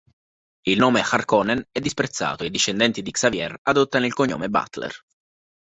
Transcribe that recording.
Il nome Harkonnen è disprezzato e i discendenti di Xavier adottano il cognome Butler.